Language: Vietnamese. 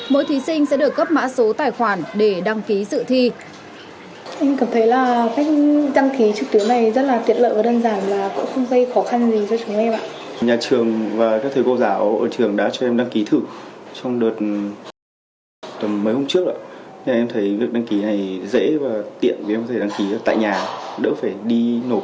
mỗi thí sinh sẽ được cấp mã số tài khoản để đăng ký dự thi